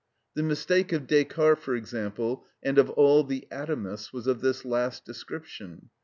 The mistake of Descartes, for example, and of all the Atomists, was of this last description.